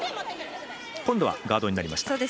今度はガードになりました。